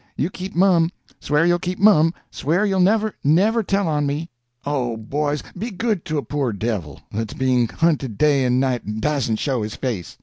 You keep mum. Swear you'll keep mum—swear you'll never, never tell on me. Oh, boys, be good to a poor devil that's being hunted day and night, and dasn't show his face!